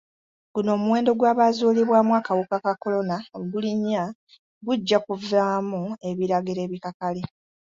Guno omuwendo gw'abazuulibwamu akawuka ka kolona ogulinnya gujja kuvaamu ebiragiro ebikakali.